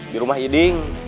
di rumah yiding